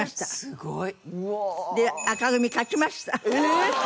すごい！